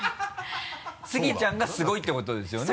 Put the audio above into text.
スギちゃんがすごいってことですよね？